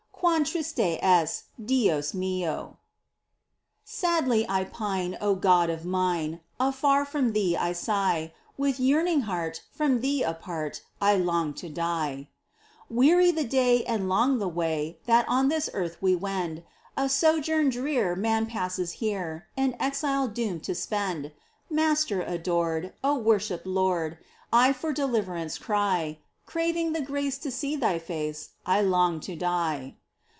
¡ Cuan triste es, Dios mió ! Sadly I pine, O God of mine ! Afar from Thee I sigh ! With yearning heart, from Thee apart, I long to die ! Weary the day and long the way That on this earth we wend : A sojourn drear man passes here, In exile doomed to spend. Master adored ! worshipped Lord, I for deliverance cry ! Craving the grace to see Thy face, I long to die